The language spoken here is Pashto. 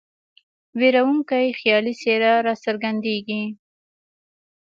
ویرونکې خیالي څېره را څرګندیږي.